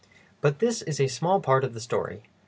But this is a small part of the story.